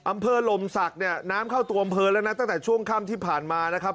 อำเภอลมศักดิ์เนี่ยน้ำเข้าตัวอำเภอแล้วนะตั้งแต่ช่วงค่ำที่ผ่านมานะครับ